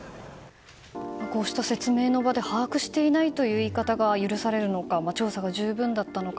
こうした説明の場で把握していないという言い方が許されるのか調査が十分だったのか。